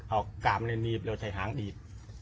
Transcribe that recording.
เอากามเล่นหนีบแล้วใช้หางดีด